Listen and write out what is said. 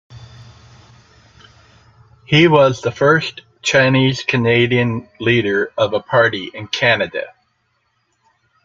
He was the first Chinese Canadian leader of a party in Canada.